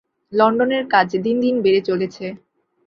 লণ্ডনের কাজ দিন দিন বেড়ে চলেছে।